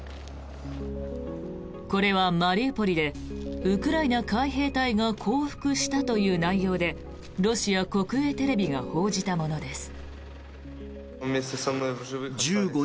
これはマリウポリでウクライナ海兵隊が降伏したという内容でロシア国営テレビが報じたものです。